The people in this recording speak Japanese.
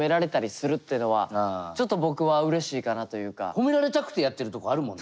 褒められたくてやってるとこあるもんね。